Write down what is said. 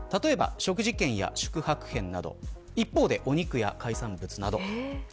例えば、食事券や宿泊券など一方で、お肉や海産物など。